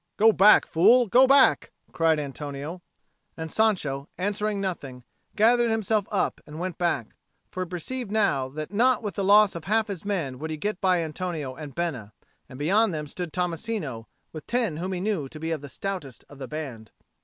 "Go back, fool, go back!" cried Antonio. And Sancho, answering nothing, gathered himself up and went back; for he perceived now that not with the loss of half of his men would he get by Antonio and Bena; and beyond them stood Tommasino with ten whom he knew to be of the stoutest of the band.